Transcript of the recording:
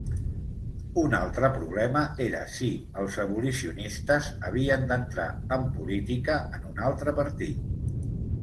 Un altre problema era si els abolicionistes havien d'entrar en política en un altre partit.